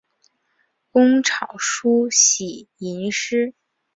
工草书喜吟诗。